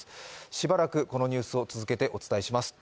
しばらくこのニュースを続けてお伝えします。